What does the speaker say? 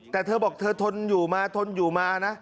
แต่เธอบอกเธอทนอยู่มาทนอยู่มานะ